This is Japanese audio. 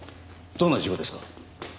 どんな事故ですか？